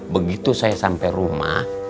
begitu saya sampai rumah